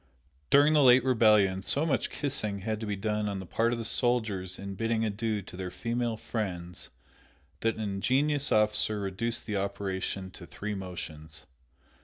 During the late rebellion, so much kissing had to be done on the part of the soldiers in bidding adieu to their female friends that an ingenious officer reduced the operation to three motions.